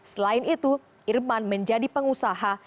selain itu irman menjadi pengusaha